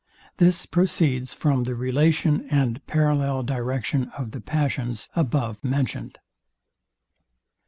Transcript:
This proceeds from the relation and parallel direction of the passions above mentioned.